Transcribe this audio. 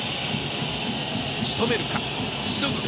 仕留めるか、しのぐか。